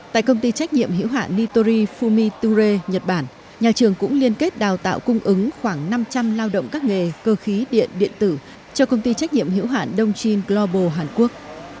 tại công ty trách nhiệm hiểu hạn nitory fumiture nhật bản nhà trường cũng liên kết đào tạo cung ứng khoảng năm trăm linh lao động các nghề cơ khí điện điện tử cho công ty trách nhiệm hiểu hạn đông chin global hàn quốc